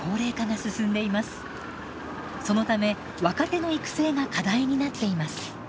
そのため若手の育成が課題になっています。